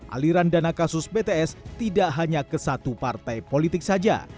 aliran dana kasus bts tidak hanya ke satu partai politik saja